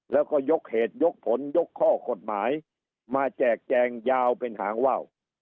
แล้วก็ยกเหตุยกผลยกข้อกฎหมายมาแจกแจงยาวเป็นหางว่าว